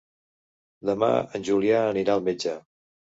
Demà en Julià anirà al metge.